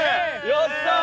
やったー！